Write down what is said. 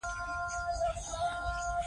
د حق غږ باید پورته کړو.